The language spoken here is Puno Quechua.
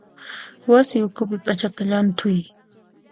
Wasi ukhupi p'achata llanthuy.